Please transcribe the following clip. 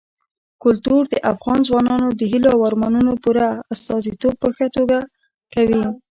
کلتور د افغان ځوانانو د هیلو او ارمانونو پوره استازیتوب په ښه توګه کوي.